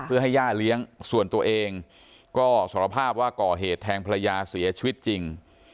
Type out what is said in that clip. เพื่อให้ย่าเลี้ยงส่วนตัวเองก็สารภาพว่าก่อเหตุแทงภรรยาเสียชีวิตจริง